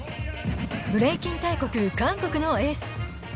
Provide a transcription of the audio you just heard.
ブレイキン大国、韓国のエース。